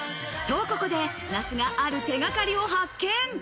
と、ここで那須がある手掛かりを発見。